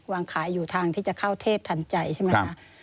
วางขายอยู่ทางที่จะเข้าเทพทันใจใช่ไหมคะ